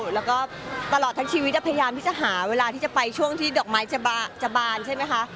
แล้วก็ตลอดทั้งชีวิตพยายามที่จะหาเวลาที่จะไปช่วงที่ดอกไม้จะบานใช่ไหมคะ